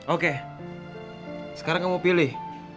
oke sekarang kamu pilih